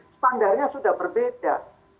standarnya sudah berbeda